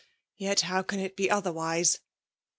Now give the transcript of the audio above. Yet how (an it be otherwise ?